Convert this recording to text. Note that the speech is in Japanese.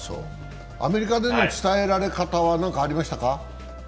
アメリカでの伝えられ方は何かありましたか？